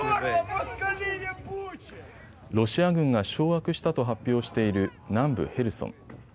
ロシア軍が掌握したと発表している南部ヘルソン。